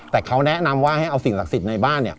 แต่เขาแนะนำว่าให้เอาสิ่งศักดิ์สิทธิ์ในบ้านเนี่ย